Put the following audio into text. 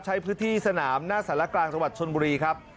ใช้พื้นที่สนามหน้าสารกลางจังหวัดชนบุรีครับ